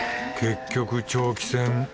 結局長期戦